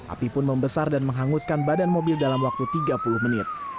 api pun membesar dan menghanguskan badan mobil dalam waktu tiga puluh menit